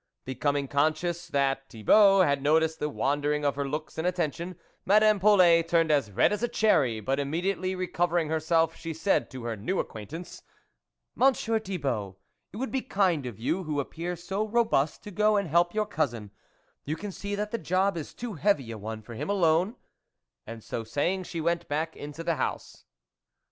Becoming conscious that Thibault had noticed the wandering of her looks and attention, Madame Polet turned as red as a cherry, but, immediately recovering herself she said to her new acquaintance ;" Monsieur Thibault, it would be kind of you, who appear so robust, to go and help your cousin ; you can see that the job is too heavy a one for him alone" and so saying, she went back into the house.